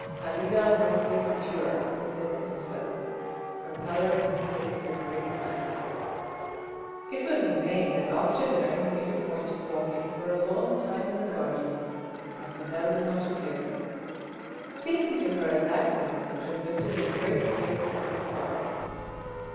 " Pallida morte futura? he said to himself (her pallor indicates her great plans). It was in vain that after dinner he made a point of walking for a long time in the garden, mademoiselle did not appear. Speaking to her at that moment would have lifted a great weight off his heart.